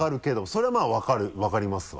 それはまぁ分かりますわ